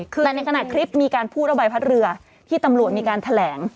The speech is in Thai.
คือในขณะคลิปมีการพูดว่าใบพัดเรือที่ตำรวจมีการแถลง